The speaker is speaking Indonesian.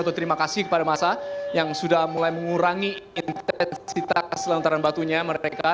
atau terima kasih kepada massa yang sudah mulai mengurangi intensitas lantaran batunya mereka